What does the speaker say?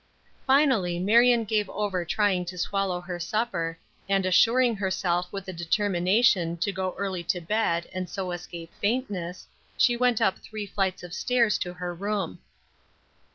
Finally Marion gave over trying to swallow the supper, and assuring herself with the determination to go early to bed, and so escape faintness, she went up three flights of stairs to her room.